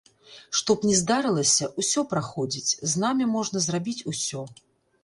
Што б ні здаралася, усё праходзіць, з намі можна зрабіць усё.